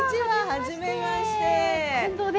はじめまして！